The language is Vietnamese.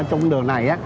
trong đường này